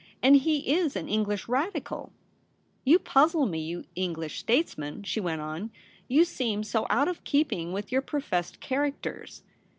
And he is an English Radical ! You puzzle me, you English statesmen,' she went on, ' you seem so out of keeping with your professed characters.